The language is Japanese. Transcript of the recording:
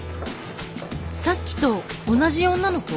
さっきと同じ女の子？